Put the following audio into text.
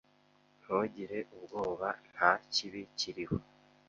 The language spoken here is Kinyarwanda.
Ntugire ubwoba. Nta kibi kiriho.